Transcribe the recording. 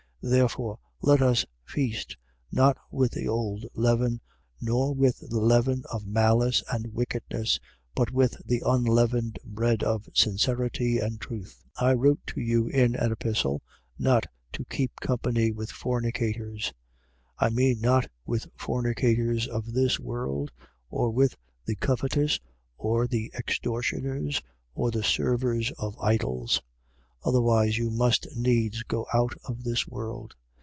5:8. Therefore, let us feast, not with the old leaven, nor with the leaven of malice and wickedness: but with the unleavened bread of sincerity and truth. 9. I wrote to you in an epistle not to keep company with fornicators. 5:10. I mean not with the fornicators of this world or with the covetous or the extortioners or the servers of idols: otherwise you must needs go out of this world.